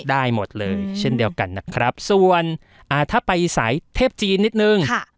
ได้หมดเลยเช่นเดียวกันนะครับส่วนอ่าถ้าไปสายเทพจีนนิดนึง